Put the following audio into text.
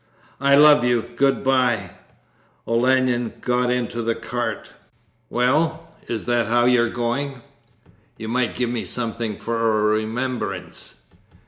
'I love you, good bye!' Olenin got into the cart. 'Well, is that how you're going? You might give me something for a remembrance.